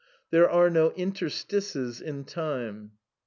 There are no interstices in time.